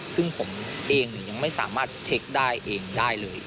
ซึ่งผมเองยังไม่สามารถเช็คได้เองได้เลย